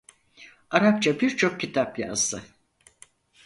Arapça birçok kitap yazdı.